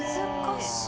難しい。